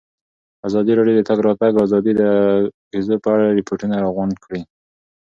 ازادي راډیو د د تګ راتګ ازادي د اغېزو په اړه ریپوټونه راغونډ کړي.